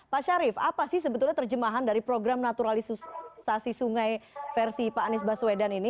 pak syarif apa sih sebetulnya terjemahan dari program naturalisasi sungai versi pak anies baswedan ini